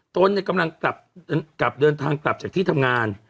ตนกำลังกลับเดินทางกลับจากที่ทำงาน